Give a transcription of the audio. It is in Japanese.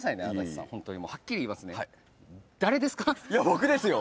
僕ですよ